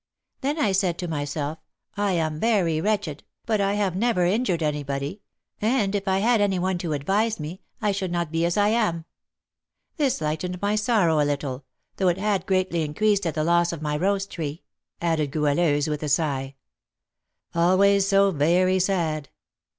Then I said to myself, I am very wretched, but I have never injured anybody, and if I had any one to advise me I should not be as I am. This lightened my sorrow a little, though it had greatly increased at the loss of my rose tree," added Goualeuse, with a sigh. "Always so very sad."